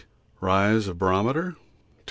Rise of barometer? T. 22.